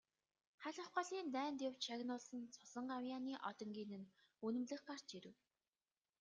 Халх голын дайнд явж шагнуулсан цусан гавьяаны одонгийн нь үнэмлэх гарч ирэв.